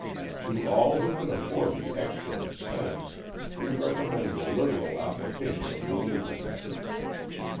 To all who can afford the extra expense, we recommend the literal application of the legal method.